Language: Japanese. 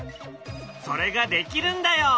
それができるんだよ！